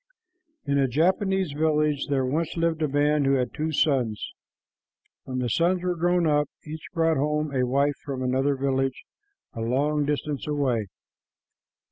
In a Japanese village there once lived a man who had two sons. When the sons were grown up, each brought home a wife from another village a long distance away.